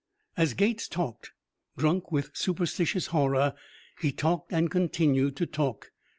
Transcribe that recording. _" And Gates talked. Drunk with superstitious horror, he talked and continued to talk.